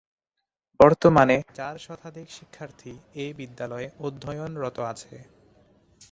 বর্তমানে চার শতাধিক শিক্ষার্থী এ বিদ্যালয়ে অধ্যয়নরত আছে।